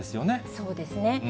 そうですね。